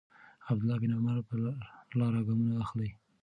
عبدالله بن عمر پر لاره ګامونه اخلي.